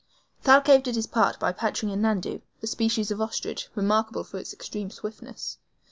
Thalcave did his part by capturing a NANDOU, a species of ostrich, remarkable for its extreme swiftness.